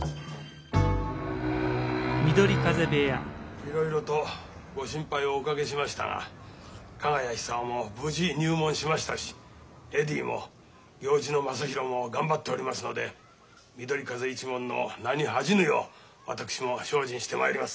いろいろとご心配をおかけしましたが加賀谷久男も無事入門しましたしエディも行司の正浩も頑張っておりますので緑風一門の名に恥じぬよう私も精進してまいります。